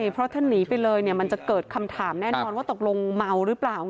เพราะถ้าหนีไปเลยมันจะเกิดคำถามแน่นอนว่าตกลงเมาหรือเปล่า